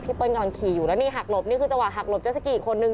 เปิ้ลกำลังขี่อยู่แล้วนี่หักหลบนี่คือจังหวะหักหลบจะสักกี่คนนึง